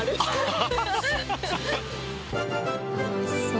楽しそう。